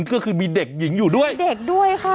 ก็คือมีเด็กหญิงอยู่ด้วยเด็กด้วยค่ะ